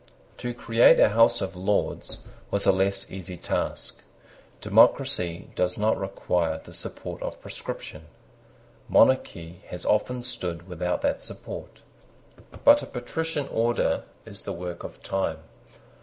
To create a House of Lords was a less easy task. Democracy does not require the support of prescription. Monarchy has often stood without that support. But a patrician order is the work of time.